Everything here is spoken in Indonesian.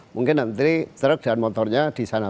mungkin antri truk dan motornya di sana